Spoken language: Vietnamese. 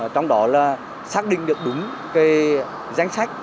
trong đó là xác định được đúng cái danh sách